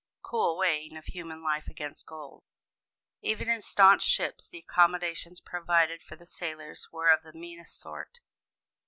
Cool weighing of human life against gold! Even in staunch ships the accommodations provided for the sailors were of the meanest sort.